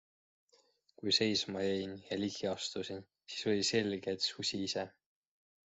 Kui seisma jäin ja ligi astusin, siis oli selge, et susi ise.